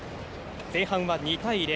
前半は２対０。